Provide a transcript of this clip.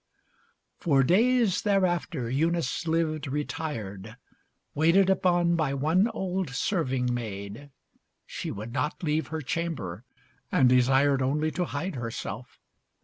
XXXVIII For days thereafter Eunice lived retired, Waited upon by one old serving maid. She would not leave her chamber, and desired Only to hide herself.